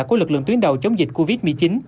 của lực lượng tuyến đầu chống dịch covid một mươi chín